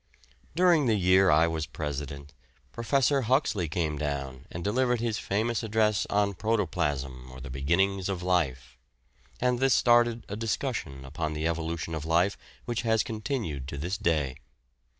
During the year I was President, Professor Huxley came down and delivered his famous address on "Protoplasm: or the beginnings of life," and this started a discussion upon the evolution of life, which has continued to this day.